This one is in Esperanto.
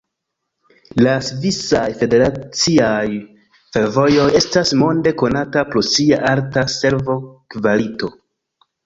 La Svisaj Federaciaj Fervojoj estas monde konata pro sia alta servo-kvalito.